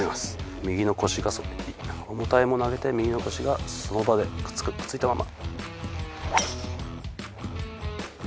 右の腰が重たいもの上げて右の腰がその場でくっつくくっついたまま。